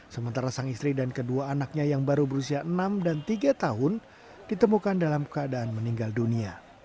sementara sang istri dan kedua anaknya yang baru berusia enam dan tiga tahun ditemukan dalam keadaan meninggal dunia